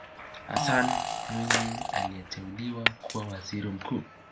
hassan mwinyi aliteuliwa kuwa waziri mkuu